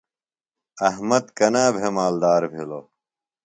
احمد کنا بھےۡ مالدار بِھلوۡ؟